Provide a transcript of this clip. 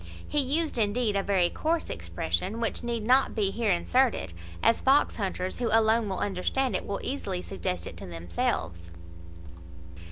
He used indeed a very coarse expression, which need not be here inserted; as fox hunters, who alone will understand it, will easily suggest it to themselves.